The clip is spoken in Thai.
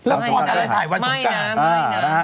ละครก็ถ่ายวันสงกราน